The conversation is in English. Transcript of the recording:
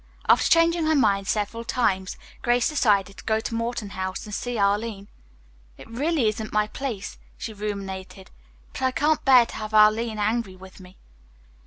After changing her mind several times, Grace decided to go to Morton House and see Arline. "It really isn't my place," she ruminated, "but I can't bear to have Arline angry with me."